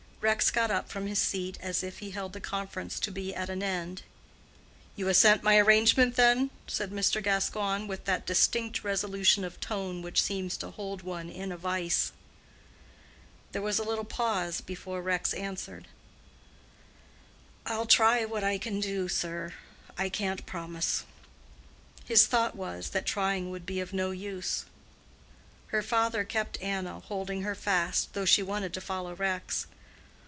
Rex got up from his seat, as if he held the conference to be at an end. "You assent to my arrangement, then?" said Mr. Gascoigne, with that distinct resolution of tone which seems to hold one in a vise. There was a little pause before Rex answered, "I'll try what I can do, sir. I can't promise." His thought was, that trying would be of no use. Her father kept Anna, holding her fast, though she wanted to follow Rex.